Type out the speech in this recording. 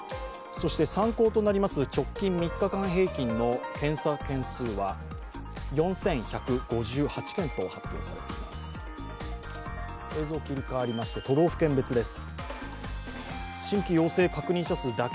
参考となります直近３日間平均の検査件数は４１５８件と発表されています。